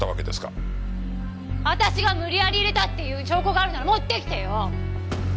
私が無理やり入れたっていう証拠があるなら持ってきてよ！